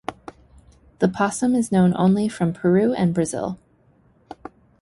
The opossum is known only from Peru and Brazil.